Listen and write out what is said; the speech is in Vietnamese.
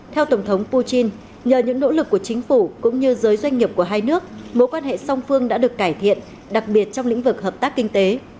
theo tổng thống putin nhờ những nỗ lực của chính phủ cũng như giới doanh nghiệp của hai nước mối quan hệ song phương đã được cải thiện đặc biệt trong lĩnh vực hợp tác kinh tế